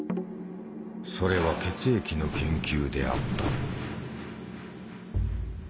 それは血液の研究であった。